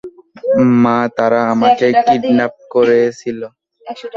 মা, তারা আমাকে কিডন্যাপ করেছিল।